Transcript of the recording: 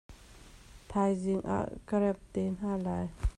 Thaizing ah ka remh te hna lai.